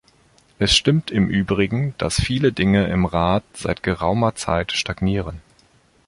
Es stimmt im Übrigen, dass viele Dinge im Rat seit geraumer Zeit stagnieren.